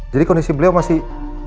jadi kondisi beliau masih